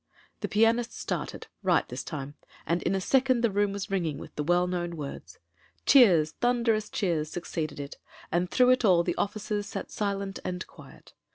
The pianist started — right this time — and in a second the room was ringing with the well known words. Cheers, thunderous cheers 3ucceeded it, and through it all the officers sat silent and quiet.